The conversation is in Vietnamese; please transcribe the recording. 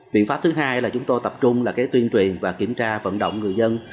biện pháp thứ hai là chúng tôi tập trung là tuyên truyền và kiểm tra vận động người dân